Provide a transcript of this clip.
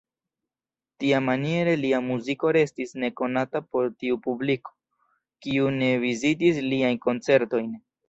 Tiamaniere lia muziko restis nekonata por tiu publiko, kiu ne vizitis liajn koncertojn.